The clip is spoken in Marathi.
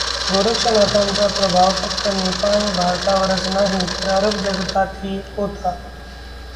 गोरक्षनाथांचा प्रभाव फक्त नेपाळ व भारतावरच नाही तर अरब जगतातही होता.